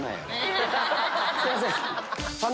すいません。